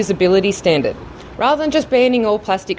sebaliknya hanya menghentikan bagi konsumen plastik